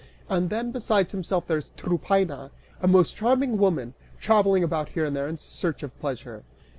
And then, besides himself, there is Tryphaena, a most charming woman, travelling about here and there in search of pleasure."